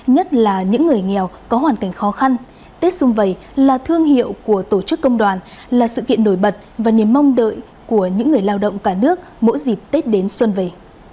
nhất là những người nghèo có hoàn cảnh khó khăn tết xung vầy là thương hiệu của tổ chức công đoàn là sự kiện nổi bật và niềm mong đợi của những người lao động cả nước mỗi dịp tết đến xuân về